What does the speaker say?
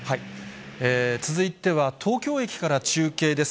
続いては東京駅から中継です。